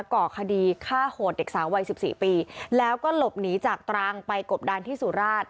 ก่อคดีฆ่าโหดเด็กสาววัยสิบสี่ปีแล้วก็หลบหนีจากตรังไปกบดานที่สุราช